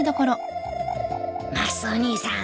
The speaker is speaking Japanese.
マスオ兄さん